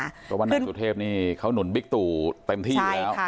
เพราะว่านายสุเทพนี่เขาหนุนบิ๊กตู่เต็มที่อยู่แล้ว